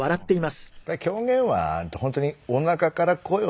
狂言は本当におなかから声を出す。